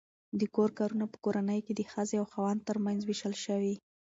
د کور کارونه په کورنۍ کې د ښځې او خاوند ترمنځ وېشل شوي.